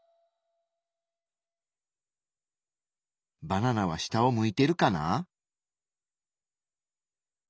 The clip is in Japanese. バナナは下を向いてるかな？